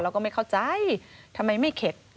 แล้วก็ไม่เข้าใจทำไมไม่เข็ด